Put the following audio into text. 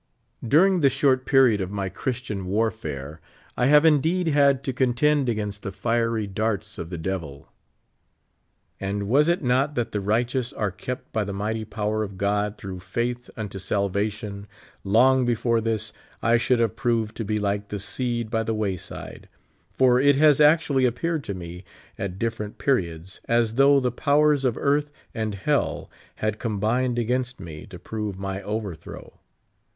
During the short period of m}' Christian warfare, I liave indeed had to contend against the fier}^ darts of the devil. And was it not that the righteous are kept by the miglity power of God through faith unto salvation, long before this I should have proved to be like the seed by the wayside ; for it has actuall}^ appeared to me, at dif ferent periods, as though the powers of earth and hell had combined against me, to prove my overthrow.